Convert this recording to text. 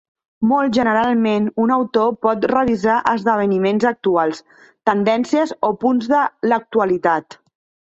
Molt generalment, un autor pot revisar esdeveniments actuals, tendències o punts de l'actualitat.